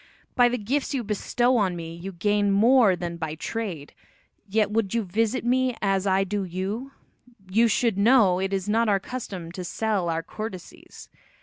By the gifts you bestow on me you gain more than by trade, yet would you visit me as I do you, you should know it is not our custom to sell our courtesies.